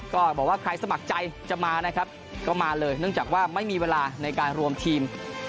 ก็บอกว่าใครสมัครใจจะมานะครับก็มาเลยเนื่องจากว่าไม่มีเวลาในการรวมทีม